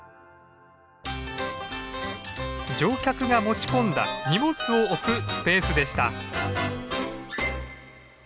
乗客が持ち込んだ荷物を置くスペースでした。